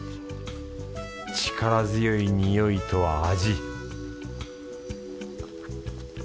力強いにおいと味